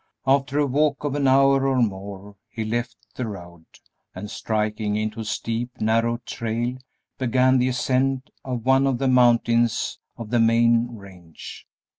After a walk of an hour or more he left the road, and, striking into a steep, narrow trail, began the ascent of one of the mountains of the main range.